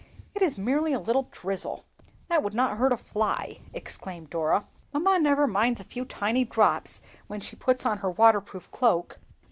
"It is merely a little drizzle, that would not hurt a fly!" exclaimed Dora. "Mamma never minds a few tiny drops when she puts on her waterproof cloak."